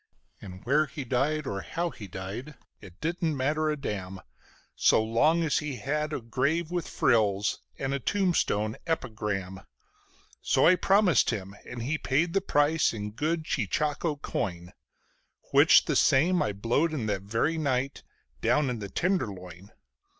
And where he died or how he died, it didn't matter a damn So long as he had a grave with frills and a tombstone "epigram". So I promised him, and he paid the price in good cheechako coin (Which the same I blowed in that very night down in the Tenderloin).